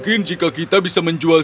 mereka lalu lalu mencari jalan ke jepang